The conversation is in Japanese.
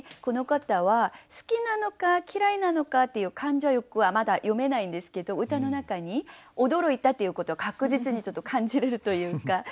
この方は好きなのか嫌いなのかっていう感情はまだ読めないんですけど歌の中に驚いたということは確実に感じれるというか。